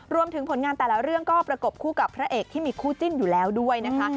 ผลงานแต่ละเรื่องก็ประกบคู่กับพระเอกที่มีคู่จิ้นอยู่แล้วด้วยนะคะ